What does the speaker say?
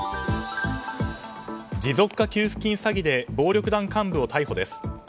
持続化給付金詐欺で暴力団幹部を逮捕です。